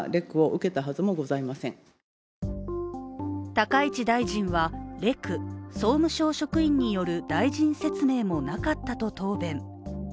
高市大臣はレク＝総務省職員による大臣説明もなかったと答弁。